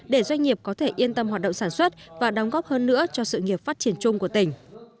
để doanh nghiệp có thể yên tâm hoạt động sản xuất và đóng góp hơn nữa cho sự nghiệp phát triển chung của tỉnh